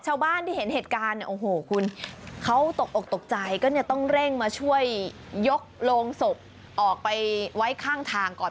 ชาวบ้านที่เห็นเหตุการณ์เนี่ยโอ้โหคุณเขาตกอกตกใจก็เนี่ยต้องเร่งมาช่วยยกโรงศพออกไปไว้ข้างทางก่อน